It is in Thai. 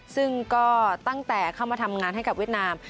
ซึ่งก็ตั้งแต่เข้ามาทำงานให้กับเวียดนาม